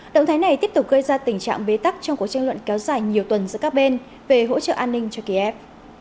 động thái này tiếp tục gây ra tình trạng bế tắc trong cuộc tranh luận kéo dài nhiều tuần giữa các bên về hỗ trợ an ninh cho kiev